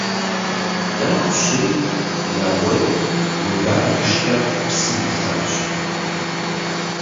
Нэху щыри нэгъуейм Мудар ишхэр псым ишащ.